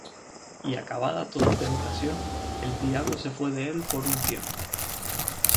Y acabada toda tentación, el diablo se fué de él por un tiempo.